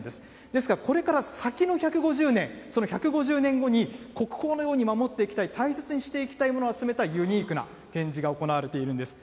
ですからこれから先の１５０年、その１５０年後に国宝のように守っていきたい大切にしていきたいものを集めたユニークな展示が行われているんです。